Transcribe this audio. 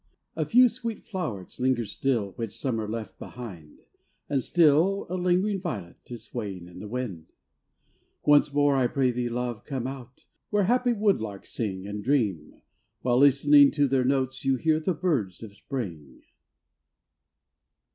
AN AUTUMN INVITATION. 115 A few sweet flow'rets linger still, Which Summer left behind ; And still a lingering violet Is swaying in the wind. Once more, I pray thee, love, come out, Where happy woodlarks sing, And dream, while listening to their notes, You hear the birds of Spring.